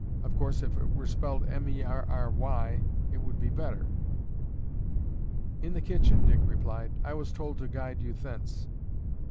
Of course if it were spelled Merry, it would be better." "In the kitchen," Dick replied. "I was told to guide you thence."